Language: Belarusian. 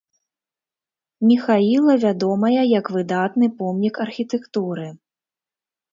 Міхаіла, вядомая як выдатны помнік архітэктуры.